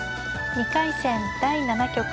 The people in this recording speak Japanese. ２回戦第７局。